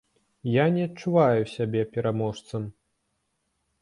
Я не адчуваю сябе пераможцам.